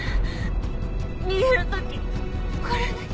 逃げる時これだけ。